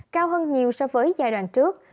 cao hơn nhiều so với giai đoạn trước